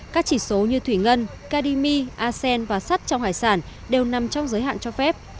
các chỉ số như thủy ngân cadimi asen và sắt trong hải sản đều nằm trong giới hạn cho phép